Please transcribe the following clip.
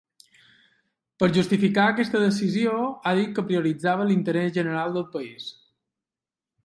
Per justificar aquesta decisió, ha dit que prioritzava ‘l’interès general del país’.